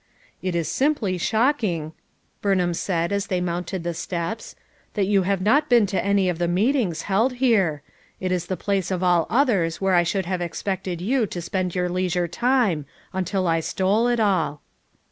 "It ia simply shocking," Burnham said aB they mounted the steps, "that you have not been to any of the meetings held here. It is the place of all others where I should have expected you to spend your leisure time, until I stole it all."